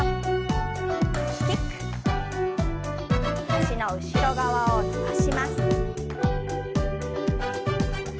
脚の後ろ側を伸ばします。